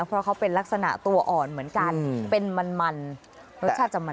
เพราะเขาเป็นลักษณะตัวอ่อนเหมือนกันเป็นมันมันรสชาติจะมัน